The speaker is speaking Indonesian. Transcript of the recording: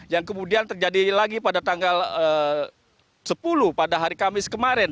yang kemudian terjadi lagi pada tanggal sepuluh pada hari kamis kemarin